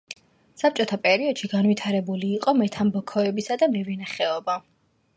საბჭოთა პერიოდში განვითარებული იყო მეთამბაქოეობა და მევენახეობა.